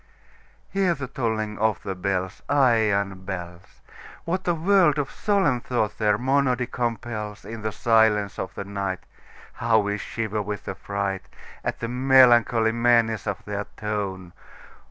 Hear the tolling of the bells, Iron bells! What a world of solemn thought their monody compels! In the silence of the nightHow we shiver with affrightAt the melancholy menace of their tone!